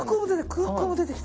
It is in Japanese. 空港も出てきた。